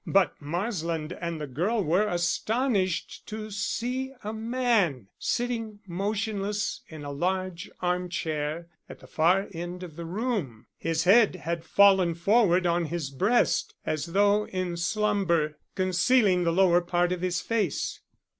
But Marsland and the girl were astonished to see a man sitting motionless in a large arm chair at the far end of the room. His head had fallen forward on his breast as though in slumber, concealing the lower part of his face.